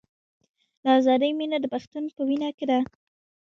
د ازادۍ مینه د پښتون په وینه کې ده.